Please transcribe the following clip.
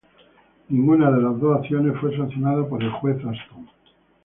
Ninguna de las dos acciones fue sancionada por el juez Aston.